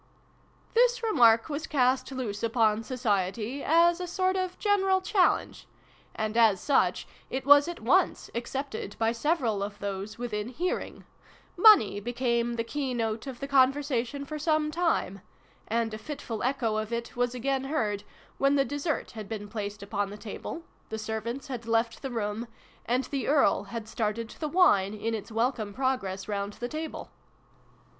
" This remark was cast loose upon Society, as a sort of general challenge ; and, as such, it was at once accepted by several of those within hearing : Money became the key note of the conversation for some time ; and a fitful echo of it was again heard, when the dessert had been placed upon the table, the servants had left the room, and the Earl had started the \vine in its welcome progress round the table.